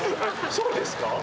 そうですか？